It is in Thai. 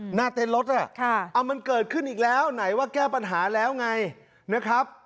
หน้าเต้นรถอ่ะค่ะอ่ะมันเกิดขึ้นอีกแล้วไหนว่าแก้ปัญหาแล้วไงนะครับ